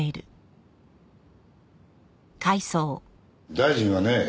大臣はね